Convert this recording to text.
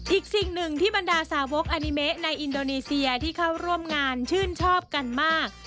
อีกสิ่งหนึ่งที่บรรดาสาวกอานิเมะในอินโดนีเซียที่เข้าร่วมงานชื่นชอบกันมาก